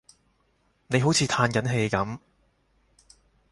你好似歎緊氣噉